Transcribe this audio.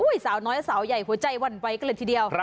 อุ้ยสาวน้อยสาวใหญ่หัวใจวั่นไว้ก็เลยทีเดียว